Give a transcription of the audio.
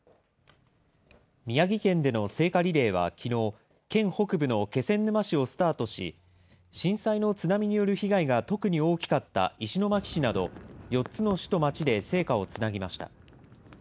宮城県での聖火リレーはきのう、県北部の気仙沼市をスタートし、震災の津波による被害が特に大きかった石巻市など、４つの市と町で聖火をつなぎました。